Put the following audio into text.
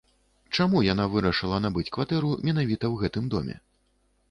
Чаму яна вырашыла набыць кватэру менавіта ў гэтым доме?